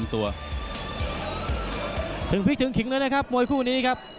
ถึงพีคถึงขิงแล้วด้วยครับมวยคู่นี้ครับ